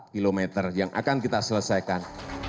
satu delapan ratus lima puluh empat km yang akan kita selesaikan